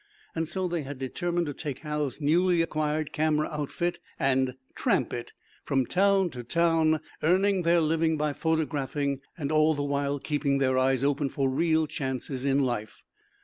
So they had determined to take Hal's newly acquired camera outfit and "tramp it" from town to town, earning their living by photographing and all the while keeping their eyes open for real chances in life.